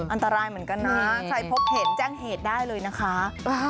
อันตรายเหมือนกันนะใครพบเห็นแจ้งเหตุได้เลยนะคะ